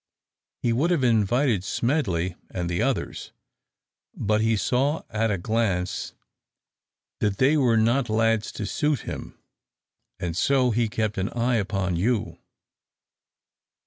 He would have invited Smedley and the others, but he saw at a glance that they were not lads to suit him, and so he kept his eye upon you.